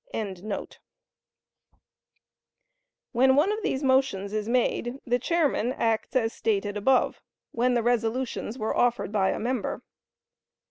] When one of these motions is made, the chairman acts as stated above when the resolutions were offered by a member.